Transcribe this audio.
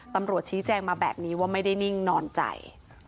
ตำรวจชี้แจงมาแบบนี้ว่าไม่ได้นิ่งนอนใจ